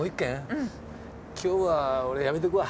今日は俺やめとくわ。